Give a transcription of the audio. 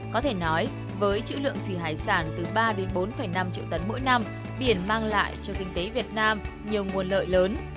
có thể nói với chữ lượng thủy hải sản từ ba bốn năm triệu tấn mỗi năm biển mang lại cho kinh tế việt nam nhiều nguồn lợi lớn